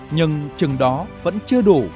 nhưng chừng đó vẫn chưa đủ